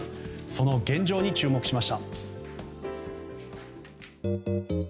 その現状に注目しました。